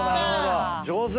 上手！